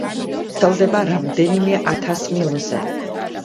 ვრცელდება რამდენიმე ათას მილზე.